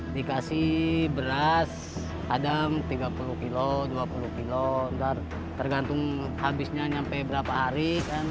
dikasih beras kadang tiga puluh kilo dua puluh kilo tergantung habisnya sampai berapa hari